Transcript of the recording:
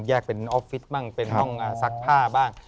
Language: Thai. เป็นออฟฟิศบ้างเป็นห้องซักผ้าบ้าง